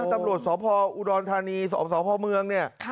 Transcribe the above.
ตำรวจสอบพอร์อุดรทานีสอบสอบพอร์เมืองเนี่ยค่ะ